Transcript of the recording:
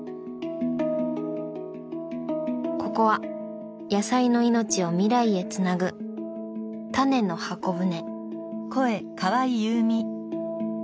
ここは野菜の命を未来へつなぐ「タネの箱舟」。